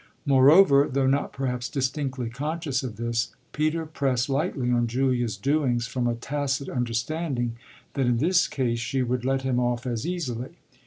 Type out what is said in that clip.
Moreover, though not perhaps distinctly conscious of this, Peter pressed lightly on Julia's doings from a tacit understanding that in this case she would let him off as easily.